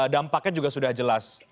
dampaknya juga sudah jelas